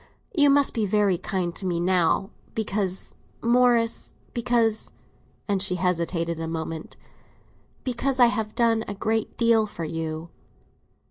"You must be very kind to me now, because, Morris—because," and she hesitated a moment—"because I have done a great deal for you."